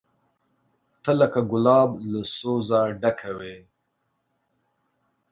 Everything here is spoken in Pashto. ته لکه ګلاب له ځوزه ډکه وې